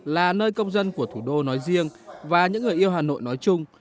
là nơi công dân của thủ đô nói riêng và những người yêu hà nội nói chung